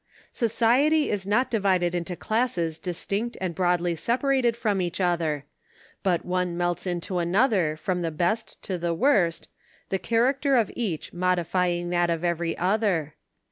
Society is not divided into classes distinct and broadly separated from each other : but one melts into another from the best to the worst, the character of each modifying that of every other.